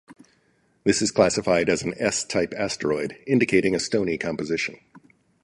This is classified as an S-type asteroid, indicating a stony composition.